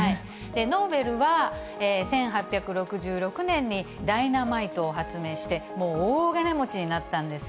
ノーベルは１８６６年にダイナマイトを発明して、もう大金持ちになったんです。